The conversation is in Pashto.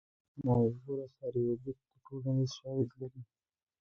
ناوې ګوره سر یې اوبه ټولنیز شالید لري